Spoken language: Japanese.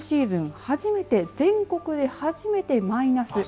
初めて全国でマイナス。